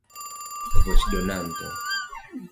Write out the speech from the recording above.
voĉdonanto